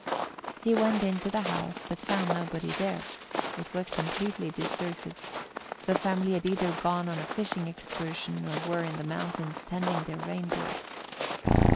He went into the house, but found nobody there; it was com¬ pletely deserted; the family had either gone on a fishing excursion, or were in the mountains tending their rein deer.